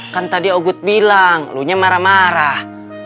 kan tadi ogut bilang lu nya marah marah